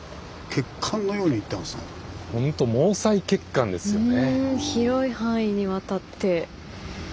ほんと毛細血管ですよね。